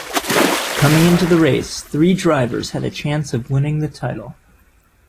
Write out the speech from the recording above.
Coming into the race, three drivers had a chance of winning the title.